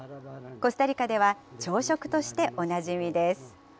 コスタリカでは朝食としておなじみです。